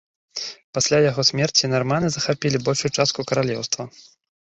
Пасля яго смерці нарманы захапілі большую частку каралеўства.